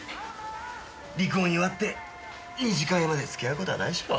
離婚祝って二次会まで付き合う事はないでしょう。